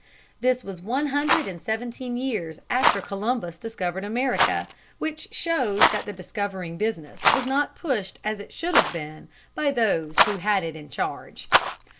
This was one hundred and seventeen years after Columbus discovered America; which shows that the discovering business was not pushed as it should have been by those who had it in charge.